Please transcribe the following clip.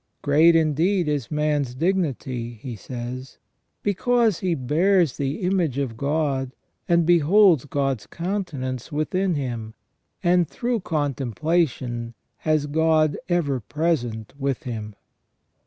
" Great indeed is man's dignity," he says, "because he bears the image of God, and heboid's God's countenance within him, and through contemplation has God ever present with him."